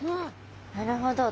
なるほど。